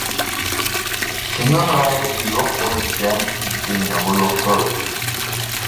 كىمنىڭ غەيرىتى يوق بولىدىكەن, دىنىمۇ يوقتۇر.